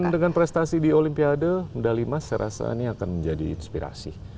dengan prestasi di olimpiade medali emas saya rasa ini akan menjadi inspirasi